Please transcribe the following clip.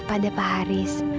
pada pak haris